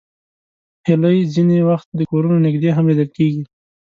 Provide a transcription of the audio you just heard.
هیلۍ ځینې وخت د کورونو نږدې هم لیدل کېږي